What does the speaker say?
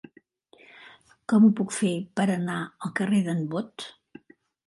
Com ho puc fer per anar al carrer d'en Bot?